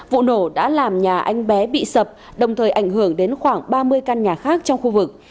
vụ nổ đã làm nhà anh bé bị sập đồng thời ảnh hưởng đến khoảng ba mươi căn nhà khác trong khu vực